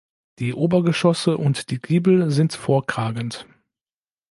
Die Obergeschosse und die Giebel sind vorkragend.